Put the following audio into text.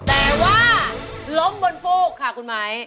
แต่ว่าล้มบนฟูกค่ะคุณไม้